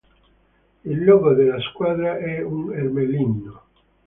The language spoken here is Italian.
Il logo della squadra è un ermellino.